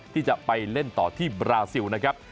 ที่จะไปเล่นต่อที่บราซิลนะครับ